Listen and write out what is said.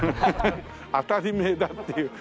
当たりめえだっていう。